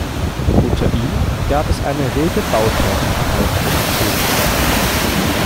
Unter ihm gab es eine rege Bautätigkeit in Coburg.